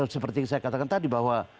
seperti yang saya katakan tadi bahwa